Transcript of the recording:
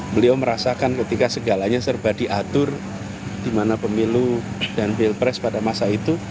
beliau merasakan ketika segalanya serba diatur di mana pemilu dan pilpres pada masa itu